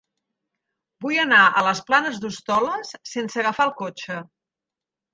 Vull anar a les Planes d'Hostoles sense agafar el cotxe.